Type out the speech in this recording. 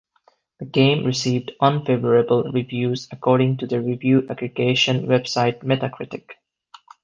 The game received "unfavorable" reviews according to the review aggregation website Metacritic.